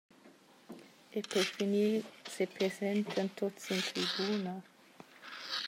E per finir sepresentan tuts sin tribuna.